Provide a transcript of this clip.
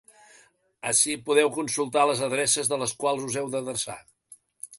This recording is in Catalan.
Ací podeu consultar les adreces a les quals us heu d’adreçar.